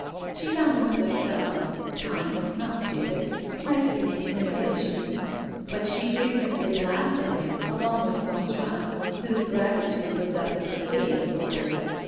She found him a good fellow, kind, not stupid, nice in intimate relations; but she frequently laughed at him along with Gontran, whose gratitude was of the perfidious order.